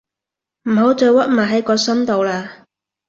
唔好再屈埋喺個心度喇